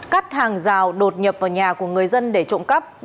cắt hàng rào đột nhập vào nhà của người dân để trộm cắp